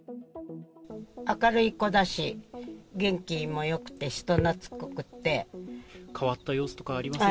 明るい子だし、元気もよくて、変わった様子とかありません